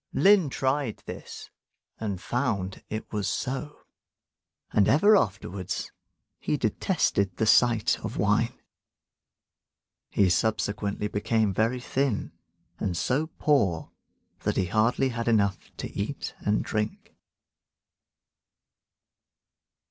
Lin tried this, and found it was so; and ever afterwards he detested the sight of wine. He subsequently became very thin, and so poor that he had hardly enough to eat and drink.